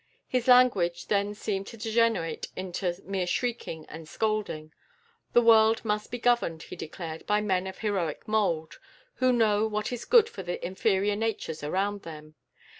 His language then seemed to degenerate into mere shrieking and scolding. The world must be governed, he declared, by men of heroic mould, who know what is good for the inferior natures around them.